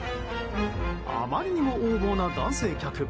あまりにも横暴な男性客。